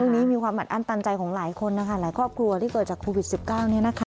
วันนี้มีความอันตันใจของหลายคนนะคะหลายครอบครัวที่เกิดจากโควิดสิบเก้านี้นะคะ